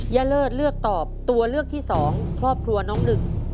เลิศเลือกตอบตัวเลือกที่๒ครอบครัวน้องหนึ่ง